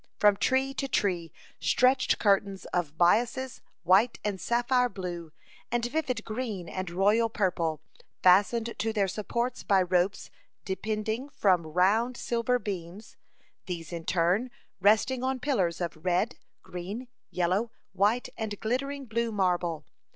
From tree to tree stretched curtains of byssus, white and sapphire blue, and vivid green and royal purple, fastened to their supports by ropes depending from round silver beams, these in turn resting on pillars of red, green, yellow, white, and glittering blue marble.